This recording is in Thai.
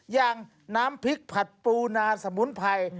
อย่างน้ำพริกผัดปูนาสมุนไพร